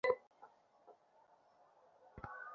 তাদেরকে এখানে আসতে বল।